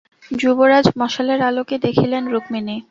যুবরাজ মশালের আলোকে দেখিলেন, রুক্মিণী।